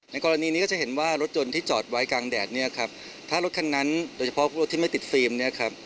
กรณีนี้ก็จะเห็นว่ารถยนต์ที่จอดไว้กลางแดดเนี่ยครับถ้ารถคันนั้นโดยเฉพาะรถที่ไม่ติดฟิล์มเนี่ยครับ